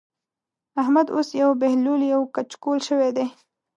احمد اوس يو بهلول يو کچکول شوی دی.